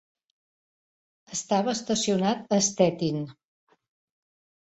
Estava estacionat a Stettin.